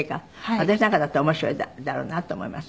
私なんかだったら面白いだろうなと思います。